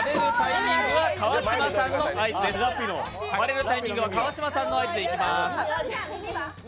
では割れるタイミングは川島さんの合図でいきます。